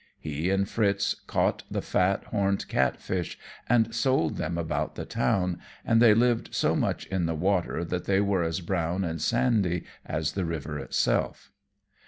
He and Fritz caught the fat, horned catfish and sold them about the town, and they lived so much in the water that they were as brown and sandy as the river itself.